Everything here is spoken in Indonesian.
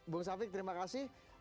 bung safiq terima kasih